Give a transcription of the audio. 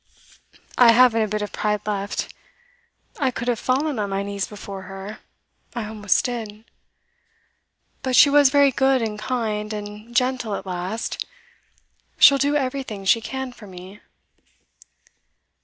I haven't a bit of pride left. I could have fallen on my knees before her; I almost did. But she was very good and kind and gentle at last. She'll do everything she can for me.